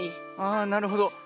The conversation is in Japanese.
あなるほど。